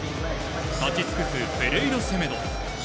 立ち尽くすペレイラセメド。